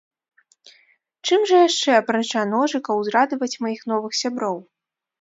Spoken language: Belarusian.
Чым жа яшчэ, апрача ножыкаў, узрадаваць маіх новых сяброў?